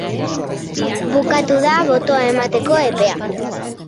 Bukatu da botoa emateko epea.